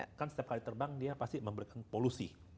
yang terbang dia pasti memberikan polusi